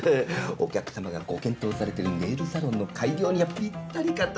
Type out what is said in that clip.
お客様がご検討されてるネイルサロンの開業にはぴったりかと。